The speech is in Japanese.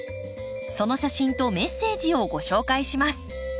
その写真とメッセージをご紹介します。